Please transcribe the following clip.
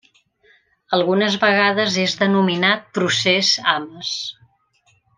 Algunes vegades és denominat Procés Ames.